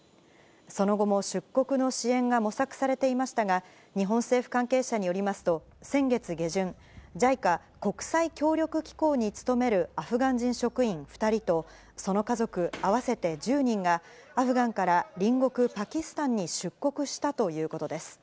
その後も出国の支援が模索されていましたが、日本政府関係者によりますと、先月下旬、ＪＩＣＡ・国際協力機構に勤めるアフガン人職員２人と、その家族合わせて１０人が、アフガンから隣国パキスタンに出国したということです。